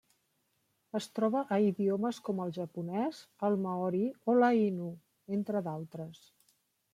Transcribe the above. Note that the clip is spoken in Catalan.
Es troba a idiomes com el japonès, el maori o l'ainu, entre d'altres.